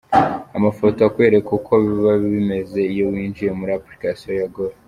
Amafoto akwereka uko biba bimeze iyo winjiye muri Application ya Goora.